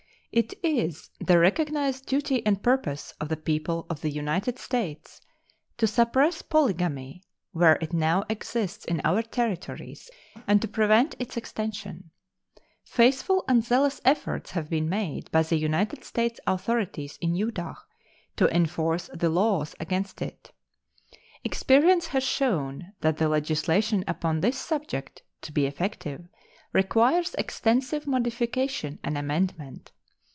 It is the recognized duty and purpose of the people of the United States to suppress polygamy where it now exists in our Territories and to prevent its extension. Faithful and zealous efforts have been made by the United States authorities in Utah to enforce the laws against it. Experience has shown that the legislation upon this subject, to be effective, requires extensive modification and amendment.